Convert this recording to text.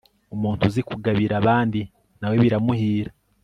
umuntu uzi kugabira abandi, na we biramuhira